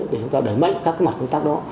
để chúng ta đẩy mạnh các cái mặt công tác đó